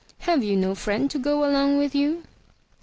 Have you no friend to go along with you?"